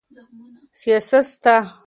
سیاست سته.